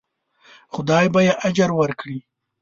خدای به یې اجر ورکړي.